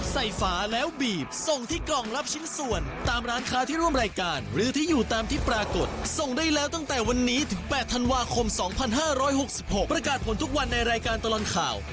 สองพันห้าร้อยหกสิบหกประกาศผลทุกวันในรายการตลอดข่าว